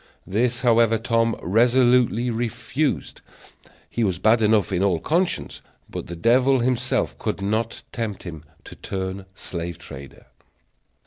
This, however, Tom resolutely refused; he was bad enough in all conscience, but the devil himself could not tempt him to turn slave trader.